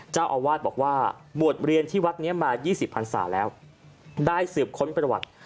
เจ้าอาวาสบอกว่าบวชเรียนที่วัดนี้มา๒๐พันศาแล้วได้สืบค้นประวัติ